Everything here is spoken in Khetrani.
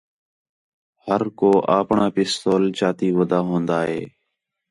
ہر کو آپݨاں پستول چاتی ودا ہون٘دا ہِے